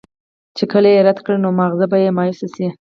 چې کله ئې رد کړي نو مازغۀ به مايوسه شي